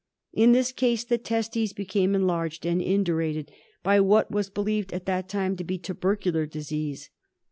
In this case the testes became enlarged and indurated by what was be lieved at the time to be tubercular disease.